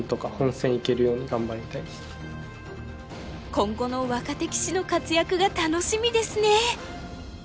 今後の若手棋士の活躍が楽しみですね。